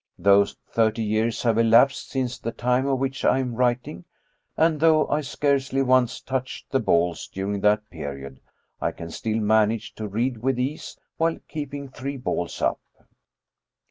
Though thirty years have elapsed since the time of which I am writing, and though I scarcely once touched the balls during that period, I can still manage to read with ease while keeping three balls up.